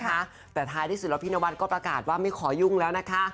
นะคะแต่ท้ายที่สุดแล้วพี่นวัดก็ประกาศว่าไม่ขอยุ่งแล้วนะคะ